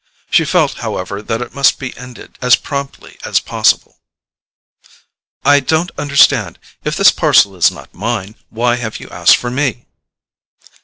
She felt, however, that it must be ended as promptly as possible. "I don't understand; if this parcel is not mine, why have you asked for me?"